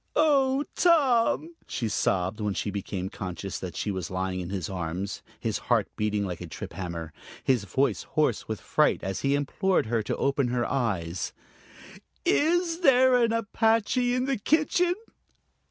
"Oh, Tom!" she sobbed, when she became conscious that she was lying in his arms, his heart beating like a trip hammer, his voice hoarse with fright as he implored her to open her eyes; "is there an Apache in the kitchen?"